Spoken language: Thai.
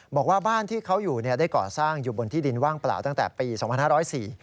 บอกว่าบ้านที่เขาอยู่ได้ก่อสร้างอยู่บนที่ดินว่างเปล่าตั้งแต่ปี๒๕๐๔